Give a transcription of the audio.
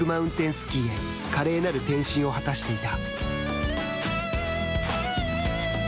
スキーへ華麗なる転身を果たしていた。